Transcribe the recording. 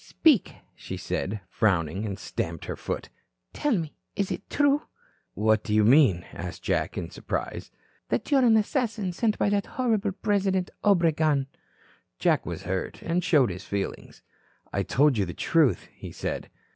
"Speak," she said, frowning, and stamped her foot. "Tell me, is this true?" "What do you mean?" asked Jack in surprise. "That you are an assassin sent by that horrible President Obregon?" Jack was hurt, and showed his feelings. "I told you the truth," he said.